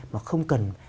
mà không cần